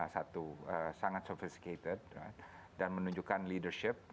satu sangat sophiscated dan menunjukkan leadership